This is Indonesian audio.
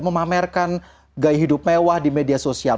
memamerkan gaya hidup mewah di media sosial